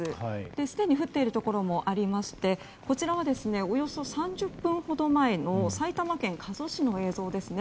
すでに降っているところもありましてこちらはおよそ３０分ほど前の埼玉県加須市の映像ですね。